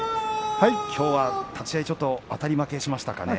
きょうは立ち合いちょっとあたり負けしましたかね。